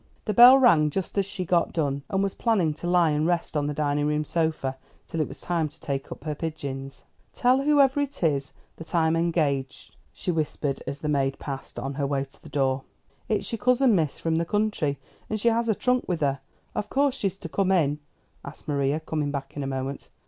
The bell rang just as she got done, and was planning to lie and rest on the dining room sofa till it was time to take up her pigeons. "Tell whoever it is that I'm engaged," she whispered, as the maid passed, on her way to the door. "It's your cousin, miss, from the country, and she has a trunk with her. Of course she's to come in?" asked Maria, coming back in a moment.